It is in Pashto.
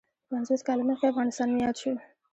پنځوس کاله مخکې افغانستان مې یاد شو.